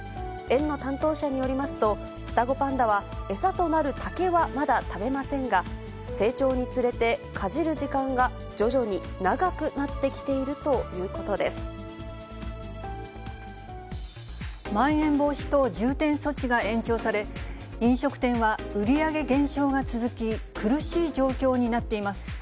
園の担当者によりますと、双子パンダは餌となる竹はまだ食べませんが、成長につれてかじる時間が徐々に長くなってきているということでまん延防止等重点措置が延長され、飲食店は売り上げ減少が続き、苦しい状況になっています。